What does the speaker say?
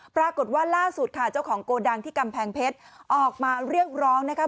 ปรากฏว่าล่าสุดค่ะเจ้าของโกดังที่กำแพงเพชรออกมาเรียกร้องนะคะ